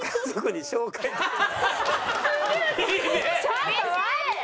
ちょっと待って！